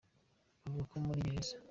bavuga ko muri Gereza.